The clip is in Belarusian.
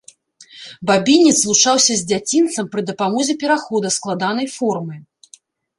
Бабінец злучаўся з дзяцінцам з дапамогай перахода складанай формы.